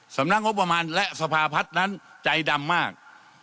สำนักงบประมาณและสภาพัฒน์นั้นใจดำมาก